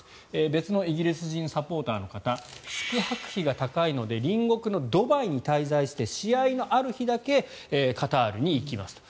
別のイギリス人サポーターの方宿泊費が高いので隣国のドバイに滞在して試合のある日だけカタールに行きますと。